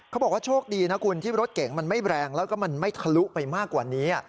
เขาบอกว่าโชคดีนะคุณที่รถเก๋งมันไม่แรงแล้วก็มันไม่ทะลุไปมากกว่านี้